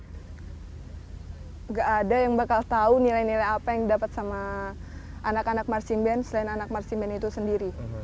tidak ada yang bakal tahu nilai nilai apa yang dapat sama anak anak marching band selain anak marching band itu sendiri